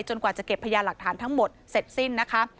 กว่าจะเก็บพยานหลักฐานทั้งหมดเสร็จสิ้นนะคะ